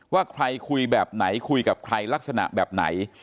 ว่าใครคุยแบบไหนคุยกับใครลักษณะแบบไหน